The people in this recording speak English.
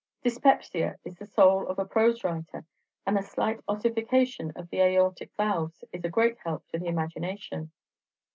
Dyspepsia is the soul of a prose writer, and a slight ossification of the aortic valves is a great help to the imagination."